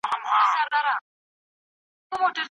او تاسو به تر اوسه ورته متوجه نه ياست